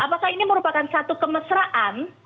apakah ini merupakan satu kemesraan